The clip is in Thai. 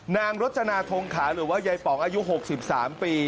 นางรจนาทงขาหรือว่ายายป๋องอายุ๖๓ปี